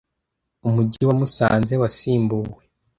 Umujyi wa musanze wasimbuwe